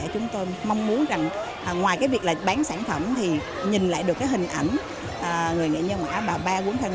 chúng tôi mong muốn ngoài việc bán sản phẩm nhìn lại được hình ảnh người nghệ nhân hỏa bà ba quấn thân